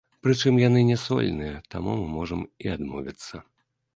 Прычым яны не сольныя, таму мы можам і адмовіцца.